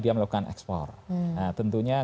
dia melakukan ekspor tentunya